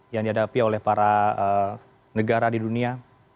yang dihadapi oleh para negara di dunia